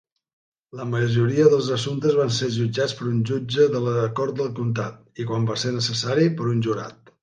La majoria dels assumptes van ser jutjats per un jutge de la cort del comtat, i quan va ser necessari, per un jurat.